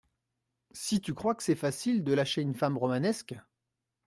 Si tu crois que c’est facile, de lâcher une femme romanesque !